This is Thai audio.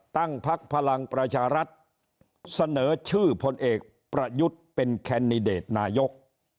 พักพลังประชารัฐเสนอชื่อพลเอกประยุทธ์เป็นแคนดิเดตนายก